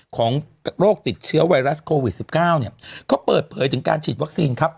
ของโรคติดเชื้อไวรัสโควิด๑๙เนี่ยก็เปิดเผยถึงการฉีดวัคซีนครับ